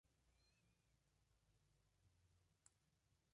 Con ella tuvo un hijo, Rodolfo.